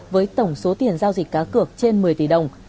với tổng số tiền giao dịch cá cược trên một mươi tỷ đồng